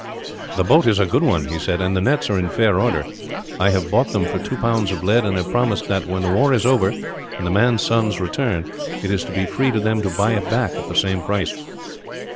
"The boat is a good one," he said, "and the nets in fair order. I have bought them for two pounds of lead; and have promised that, when the war is over and the man's sons return, it is to be free to them to buy it back, at the same price."